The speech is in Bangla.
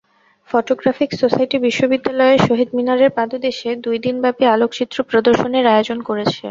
ফটোগ্রাফিক সোসাইটি বিশ্ববিদ্যালয়ের শহীদ মিনারের পাদদেশে দুই দিনব্যাপী আলোকচিত্র প্রদর্শনীর আয়োজন করেছে।